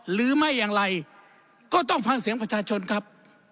หรือไม่อย่างไรก็ต้องฟังเสียงประชาชนครับ